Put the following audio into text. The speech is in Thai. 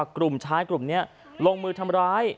กลุ่มชายกลุ่มนี้ลงมือทำร้าย